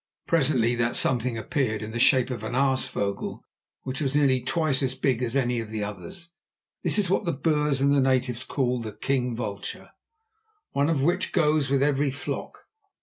Presently that something appeared in the shape of an aasvogel which was nearly twice as big as any of the others. This was what the Boers and the natives call the "king vulture," one of which goes with every flock.